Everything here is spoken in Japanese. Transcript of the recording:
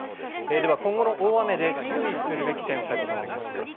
では今後の大雨で注意するべき点を斎藤さん、お願いします。